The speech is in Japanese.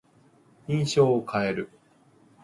印象を変える。